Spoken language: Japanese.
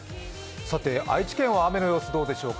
愛知県は雨の様子どうでしょうか。